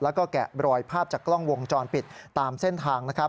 แล้วก็แกะรอยภาพจากกล้องวงจรปิดตามเส้นทางนะครับ